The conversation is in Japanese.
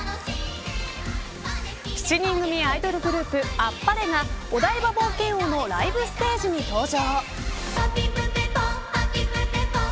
７人組アイドルグループＡｐｐａｒｅ！がお台場冒険王のライブステージに登場。